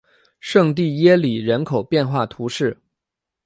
圣蒂耶里人口变化图示